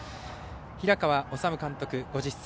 平川敦監督、５０歳。